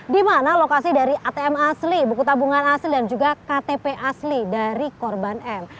di mana lokasi dari atm asli buku tabungan asli dan juga ktp asli dari korban m